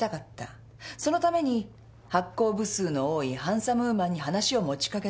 そのために発行部数の多い「ハンサムウーマン」に話を持ちかけた。